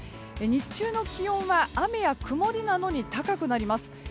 日中の気温は雨や曇りなのに高くなります。